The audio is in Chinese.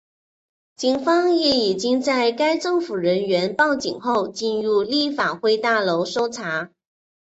警方亦已经在该政府人员报警后进入立法会大楼搜查。